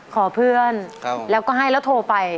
ขอเพื่อนเขาก็ให้แล้วโทรไปครับโทรไปครับแล้วก็ให้แล้วโทรไป